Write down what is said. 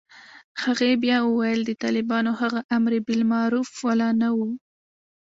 هغې بيا وويل د طالبانو هغه امربالمعروف والا نه و.